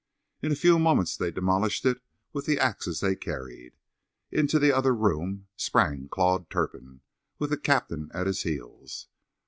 In a few moments they demolished it with the axes they carried. Into the other room sprang Claude Turpin, with the captain at his heels.